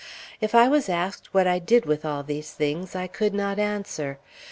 If I was asked what I did with all these things, I could not answer.